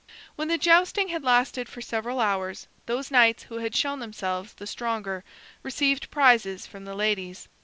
When the jousting had lasted for several hours, those knights who had shown themselves the stronger, received prizes from the ladies.